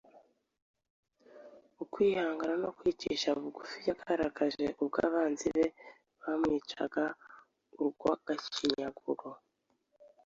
ukwihangana no kwicisha bugufi yagaragaje ubwo abanzi be bamwicaga urw’agashinyaguro